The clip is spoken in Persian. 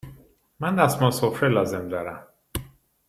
من دستمال سفره لازم دارم.